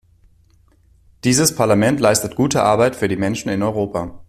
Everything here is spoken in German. Dieses Parlament leistet gute Arbeit für die Menschen in Europa.